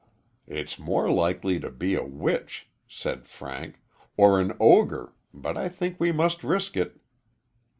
"It's more likely to be a witch," said Frank, "or an ogre, but I think we must risk it."